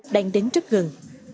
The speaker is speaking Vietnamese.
đang đến rất gần